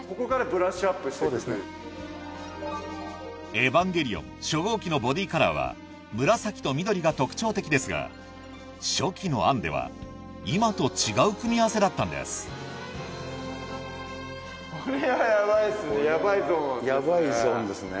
エヴァンゲリオン初号機のボディーカラーは紫と緑が特徴的ですが初期の案では今と違う組み合わせだったんですヤバイゾーンですね。